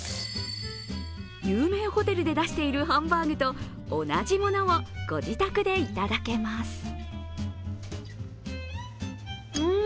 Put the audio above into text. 有名ホテルで出しているハンバーグと同じものをご自宅でいただけます。